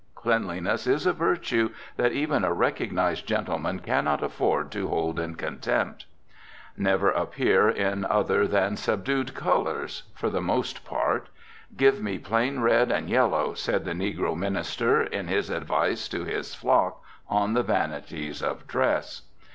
Cleanliness is a virtue that even a recognized gentleman cannot afford to hold in contempt. Never appear in other than subdued colors, for the most part. "Give me plain red and yellow," said the negro minister, in his advice to his flock on the vanities of dress.